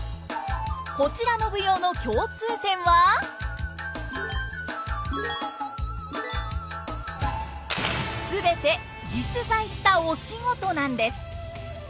こちらの舞踊の全て実在したお仕事なんです！